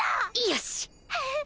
よし！